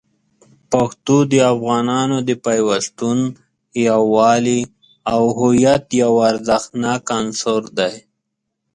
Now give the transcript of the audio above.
پښتو د افغانانو د پیوستون، یووالي، او هویت یو ارزښتناک عنصر دی.